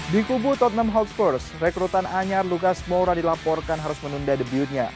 di kubu tottenham hotspurs rekrutan anyar lukas moura dilaporkan harus menunda debutnya